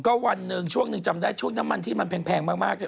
ก็วันหนึ่งช่วงหนึ่งจำได้ช่วงน้ำมันที่มันแพงมากเนี่ย